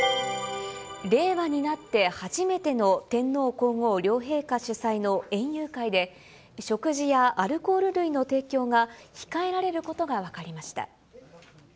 令和になって初めての天皇皇后両陛下主催の園遊会で、食事やアルコール類の提供が、控えられることが分かりました。